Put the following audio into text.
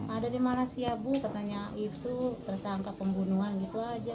ada dimalasiabu katanya itu tersangka pembunuhan gitu aja